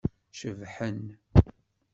Cebḥen.